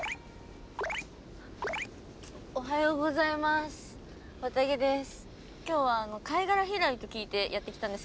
おはようございます。